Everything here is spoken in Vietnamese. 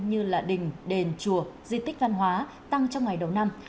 như là đình đền chùa di tích văn hóa tăng trong ngày đầu năm